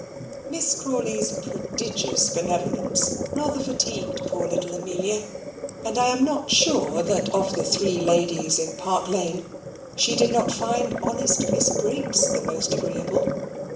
Miss Crawley's prodigious benevolence rather fatigued poor little Amelia, and I am not sure that of the three ladies in Park Lane she did not find honest Miss Briggs the most agreeable.